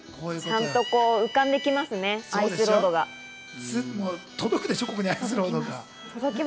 浮かんできますね、『アイス・ロード』が。